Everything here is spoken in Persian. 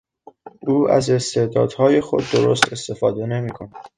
او از استعدادهای خود درست استفاده نمیکند.